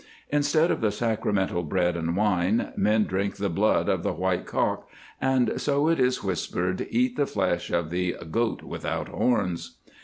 Instead of the sacramental bread and wine men drink the blood of the white cock, and, so it is whispered, eat the flesh of "the goat without horns."